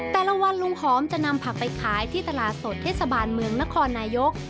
แต่ละวันลุงหอมจะนำผักไปขายที่ตลาดสดเทศบาลเมืองนครนายก